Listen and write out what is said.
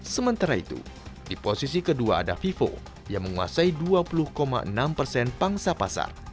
sementara itu di posisi kedua ada vivo yang menguasai dua puluh enam persen pangsa pasar